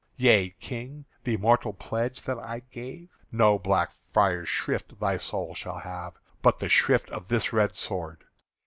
Yea, King, the mortal pledge that I gave? No black friar's shrift thy soul shall have, But the shrift of this red sword!"